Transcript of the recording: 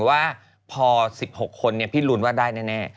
ว่าพอ๑๖คนพี่รุนว่าได้แน่